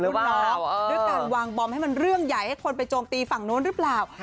รุ่นน้องด้วยการวางบอมให้มันเรื่องใหญ่ให้คนไปโจมตีฝั่งโน้นหรือเปล่า